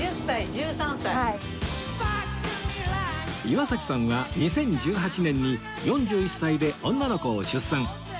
岩崎さんは２０１８年に４１歳で女の子を出産